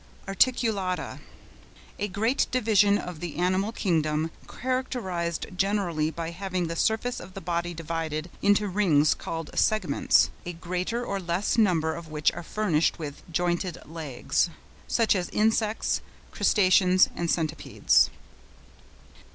ARTICULATA.—A great division of the Animal Kingdom characterised generally by having the surface of the body divided into rings called segments, a greater or less number of which are furnished with jointed legs (such as Insects, Crustaceans and Centipedes).